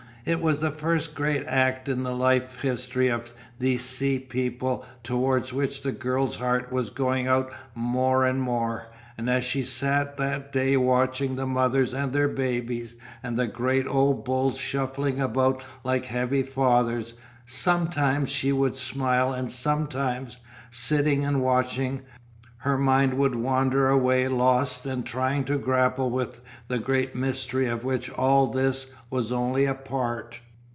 It was the first great act in the life history of these sea people towards which the girl's heart was going out more and more, and as she sat that day watching the mothers and their babies, and the great old bulls shuffling about like heavy fathers, sometimes she would smile and sometimes, sitting and watching, her mind would wander away lost and trying to grapple with the great mystery of which all this was only a part.